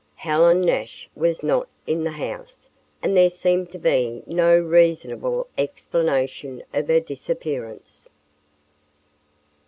Helen Nash was not in the house and there seemed to be no reasonable explanation of her disappearance.